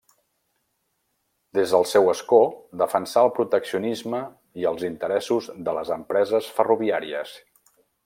Des del seu escó defensà el proteccionisme i els interessos de les empreses ferroviàries.